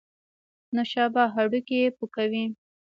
نوشابه هډوکي پوکوي